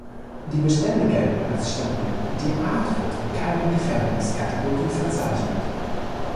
Die Bestände gelten als stabil, die Art wird in keiner Gefährdungskategorie verzeichnet.